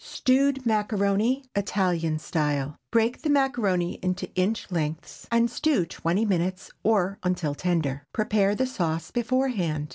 STEWED MACARONI—ITALIAN STYLE. Break the macaroni into inch lengths, and stew twenty minutes, or until tender. Prepare the sauce beforehand.